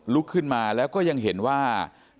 ลุกขึ้นมาแล้วก็ยังเห็นว่า